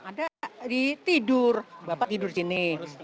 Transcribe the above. ada di tidur bapak tidur di sini